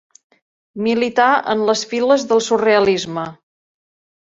Milità en les files del surrealisme.